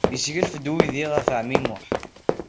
Yesseglef-d uydi ɣef ɛemmi Muḥ.